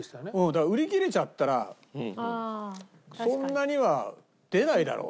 だから売り切れちゃったらそんなには出ないだろう。